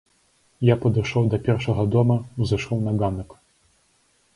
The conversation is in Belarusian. Я падышоў да першага дома, узышоў на ганак.